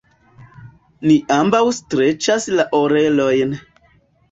Ni ambaŭ streĉas la orelojn.